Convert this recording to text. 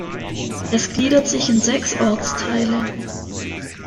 Es gliedert sich in sechs Ortsteile.